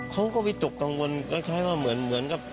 เขาก็วิตกกังวลคล้ายว่าเหมือนกับ